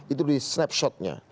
itu di snapshotnya